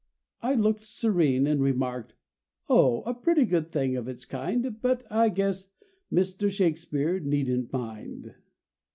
I[A] looked serene And remarked: "Oh, a pretty good thing of its kind, But I guess Mr. Shakespeare needn't mind!"